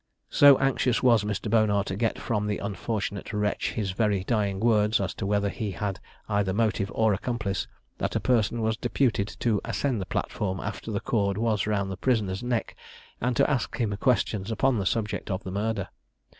So anxious was Mr. Bonar to get from the unfortunate wretch his very dying words, as to whether he had either motive or accomplice, that a person was deputed to ascend the platform after the cord was round the prisoner's neck, and to ask him questions upon the subject of the murder.